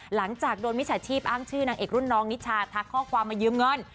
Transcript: หลังจากโดนมิจฉาชีพอ้างชื่อนางเอกรุ่นน้องนิชาทักข้อความมายืมเงิน